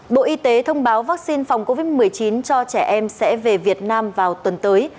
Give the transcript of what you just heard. bộ y tế thông báo vaccine phòng covid một mươi chín cho trẻ em sẽ về việt nam vào tuần tới